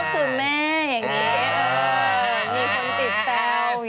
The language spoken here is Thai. คุณแม่ก็คือแม่อย่างนี้